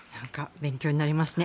勉強になりますね。